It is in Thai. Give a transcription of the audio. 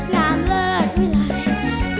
งามเลิทวิลัย